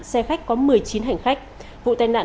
xe khách có một mươi chín hành khách vụ tai nạn